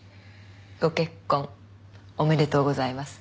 ご結婚おめでとうございます。